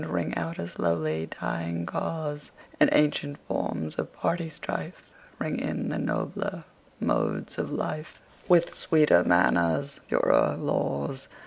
Ring out a slowly dying cause, And ancient forms of party strife; Ring in the nobler modes of life, With sweeter manners, purer laws.